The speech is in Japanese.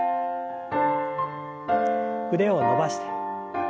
腕を伸ばして。